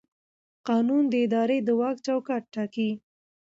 قانون د ادارې د واک چوکاټ ټاکي.